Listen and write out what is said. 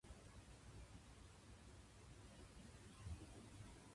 今日は台風だ。